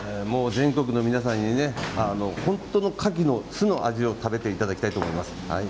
全国の方に本当のカキの、素の味を食べてもらいたいと思います。